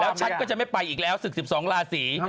แล้วฉันก็จะไม่ไปอีกแล้ว๑๒ลาสี